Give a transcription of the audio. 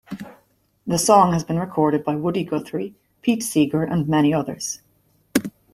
The song has been recorded by Woody Guthrie, Pete Seeger, and many others.